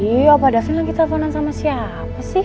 hei opa daffy lagi telfonan sama siapa sih